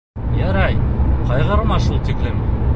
Ярай, ҡайғырма шул тиклем.